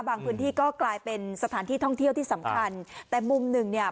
พื้นที่ก็กลายเป็นสถานที่ท่องเที่ยวที่สำคัญแต่มุมหนึ่งเนี่ย